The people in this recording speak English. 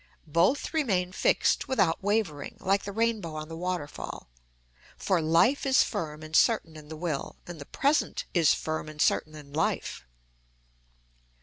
Both remain fixed without wavering, like the rainbow on the waterfall. For life is firm and certain in the will, and the present is firm and certain in life.